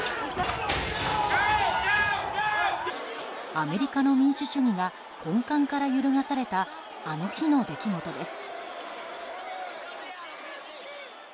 アメリカの民主主義が根幹から揺るがされたあの日の出来事です。